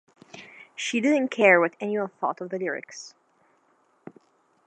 She didn't care what anyone thought of the lyrics.